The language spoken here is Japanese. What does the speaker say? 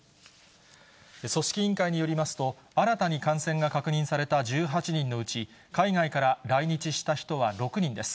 組織委員会によりますと、新たに感染が確認された１８人のうち、海外から来日した人は６人です。